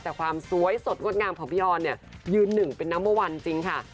แต่ความสวยสดงดงามของพี่ออนเนี่ยยืนหนึ่งเป็นนัมเบอร์วันจริงค่ะ